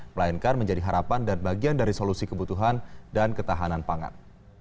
melainkan menjadi harapan dan bagian dari solusi kebutuhan dan ketahanan pangan